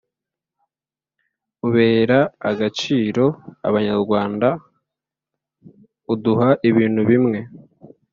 ubera agaciro Abanyarwanda uduha ibintu bimwe